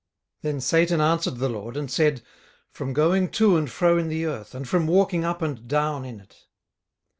Then Satan answered the LORD, and said, From going to and fro in the earth, and from walking up and down in it.